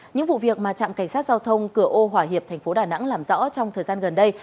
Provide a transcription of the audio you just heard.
những vụ việc mà trạm cảnh sát giao thông cửa ô hỏa hiệp tp đà nẵng làm rõ trong thời gian gần đây